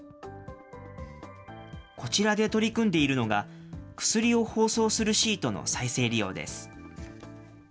こちらで取り組んでいるのが、薬を包装するシートの再生利用です。